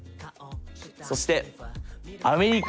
そしてアメリカ